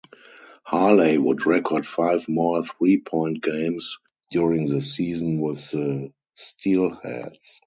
Harley would record five more three point games during the season with the Steelheads.